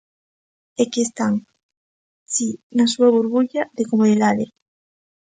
É que están, si, na súa burbulla de comodidade.